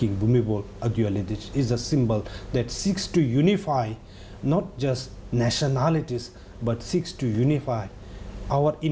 คุณภาพธิบุธิอัตโยาเหล็ดิชเป็นโอกาสที่มีสินค้าขึ้นไม่ใช่ข้อมูลชีวิตแต่มีสินค้าครบังเกิดขึ้น